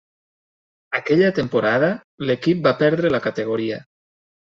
Aquella temporada l'equip va perdre la categoria.